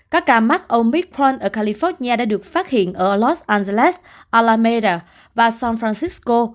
các ca mắc omicron ở california đã được phát hiện ở los angeles alameda và san francisco